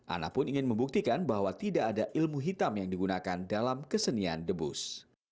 ana pun ingin membuktikan bahwa tidak ada ilmu hitam yang digunakan dalam kesenian the bus